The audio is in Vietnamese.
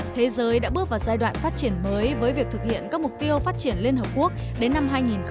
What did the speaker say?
thế giới đã bước vào giai đoạn phát triển mới với việc thực hiện các mục tiêu phát triển liên hợp quốc đến năm hai nghìn hai mươi